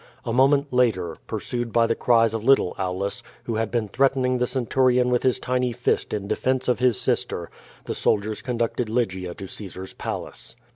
A moment later, pursued by the cries of little Aulus, who had been threatening the centurion with his tiny list in defense of his sister, the soldiers conducted Lygia to Caesar's palace.